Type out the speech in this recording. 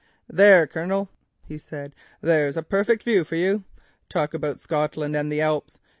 "There, Colonel," he said, "there's a perfect view for you. Talk about Scotland and the Alps!